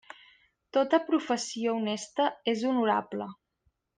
Tota professió honesta és honorable.